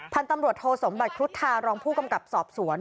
พันธุ์ตำรวจโทสมบัติครุฑธารองผู้กำกับสอบสวน